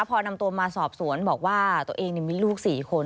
พอนำตัวมาสอบสวนบอกว่าตัวเองมีลูก๔คน